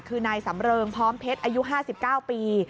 คือนายสำเริงพร้อมเพชรอายุ๕๙ปี